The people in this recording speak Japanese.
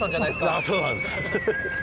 いやそうなんです。